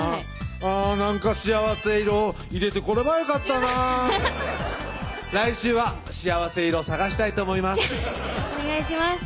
あぁなんか幸せ色入れてこればよかったな来週は幸せ色探したいと思いますお願いします